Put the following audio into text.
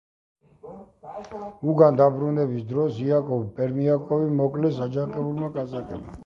უკან დაბრუნების დროს იაკობ პერმიაკოვი მოკლეს, აჯანყებულმა კაზაკებმა.